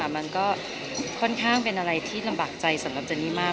มันก็ค่อนข้างเป็นอะไรที่ลำบากใจสำหรับเจนี่มาก